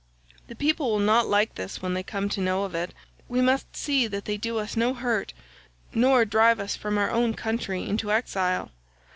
The people will not like this when they come to know of it; we must see that they do us no hurt, nor drive us from our own country into exile.